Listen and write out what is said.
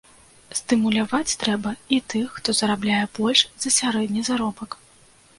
Стымуляваць трэба і тых, хто зарабляе больш за сярэдні заробак.